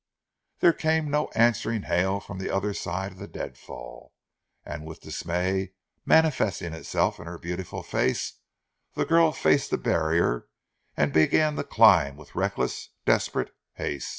There came no answering hail from the other side of the deadfall, and with dismay manifesting itself in her beautiful face, the girl faced the barrier and began to climb with reckless, desperate haste.